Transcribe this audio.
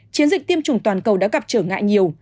chiến dịch tiêm chủng toàn cầu đã gặp trở ngại nhiều